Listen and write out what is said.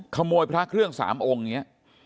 ขโมยพระเครื่องสามองค์นี้